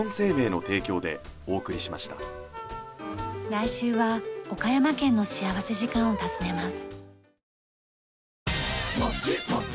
来週は岡山県の幸福時間を訪ねます。